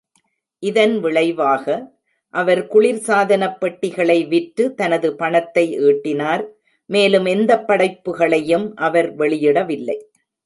இதன் விளைவாக, அவர் குளிர்சாதனப் பெட்டிகளை விற்று தனது பணத்தை ஈட்டினார், மேலும் எந்தப் படைப்புகளையும் அவர் வெளியிடவில்லை.